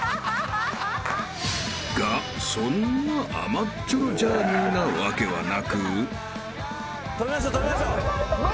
［がそんな甘っちょろジャーニーなわけはなく］